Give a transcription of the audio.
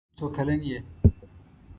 څو کلن یې.